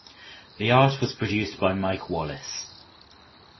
The art was produced by Mike Wallace.